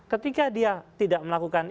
ketika dia tidak melakukan